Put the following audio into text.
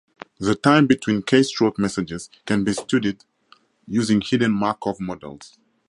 The time between keystroke messages can be studied using hidden Markov models.